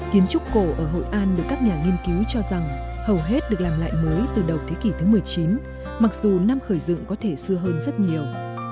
kiến trúc cổ ở hội an được các nhà nghiên cứu cho rằng hầu hết được làm lại mới từ đầu thế kỷ thứ một mươi chín mặc dù năm khởi dựng có thể xưa hơn rất nhiều